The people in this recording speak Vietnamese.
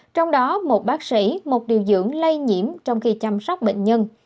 trong đó một bác sĩ một điều dưỡng lây nhiễm trong khi chăm sóc bệnh nhân